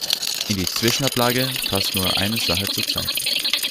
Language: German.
In die Zwischenablage passt nur eine Sache zur Zeit.